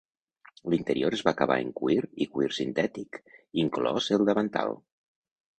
L'interior es va acabar en cuir i cuir sintètic, inclòs el davantal.